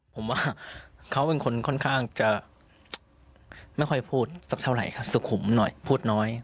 ผมว่าเขาเป็นคนค่อนข้างจะไม่ค่อยพูดสักเท่าไหร่ครับสุขุมหน่อยพูดน้อย